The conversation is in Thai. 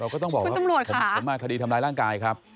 ก็ต้องบอกว่าผมมาคดีทำร้ายร่างกายครับ